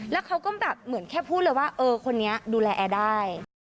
แล้วเขาก็แบบเหมือนแค่พูดเลยว่าเออคนนี้ดูแลแอร์ได้